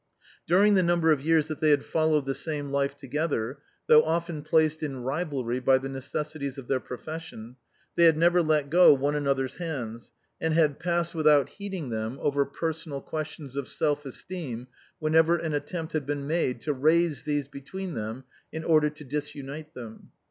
During the number of years that they had followed the same life together, though often placed in rivalry by the necessities of their profession, they had never let go one another's hands, and had passed without heeding them over personal questions of self esteem whenever an attempt had been made to raise these between them in order to dis unite them.